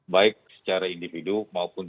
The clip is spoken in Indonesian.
baik secara individu maupun